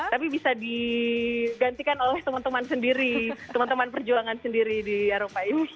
tapi bisa digantikan oleh teman teman sendiri teman teman perjuangan sendiri di eropa ini